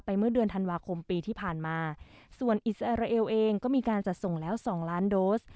เมื่อเดือนธันวาคมปีที่ผ่านมาส่วนอิสราเอลเองก็มีการจัดส่งแล้วสองล้านโดส